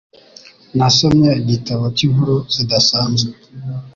Nasomye igitabo cyinkuru zidasanzwe.